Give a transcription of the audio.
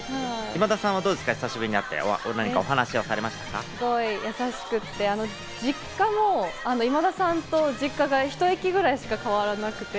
今田さんは久しぶりに会って、優しくって、今田さんと実家がひと駅ぐらいしか変わらなくて。